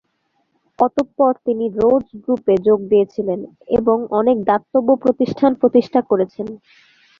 অতঃপর তিনি 'রোজ' গ্রুপে যোগ দিয়েছিলেন এবং অনেক দাতব্য প্রতিষ্ঠান প্রতিষ্ঠা করেছেন।